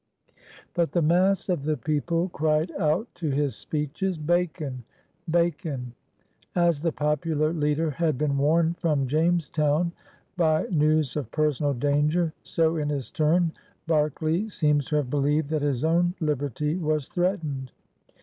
But the mass of ^the people cried out to his speeches, ^^ Bacon! Bacon!" As the popular leader had been warned from Jamestown by news of personal danger, so in his turn Berkeley seems to have believed that his own liberty was threatened.